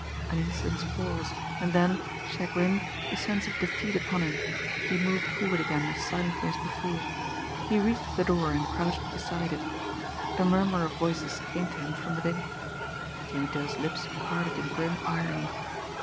An instant's pause, and then, chagrined, the sense of defeat upon him, he moved forward again as silently as before. He reached the door and crouched beside it. A murmur of voices came to him from within. Jimmie Dale's lips parted in grim irony.